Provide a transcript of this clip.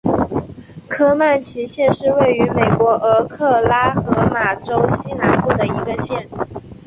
科曼奇县是位于美国俄克拉何马州西南部的一个县。